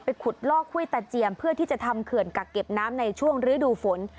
ขุดลอกห้วยตาเจียมเพื่อที่จะทำเขื่อนกักเก็บน้ำในช่วงฤดูฝน